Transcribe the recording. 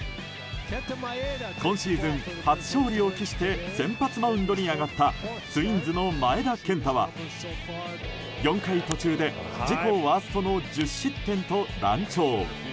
今シーズン初勝利を喫して先発マウンドに上がったツインズの前田健太は４回途中で自己ワーストの１０失点と乱調。